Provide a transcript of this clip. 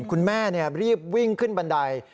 คุณแม่รีบวิ่งขึ้นบันได